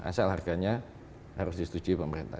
asal harganya harus disetujui pemerintah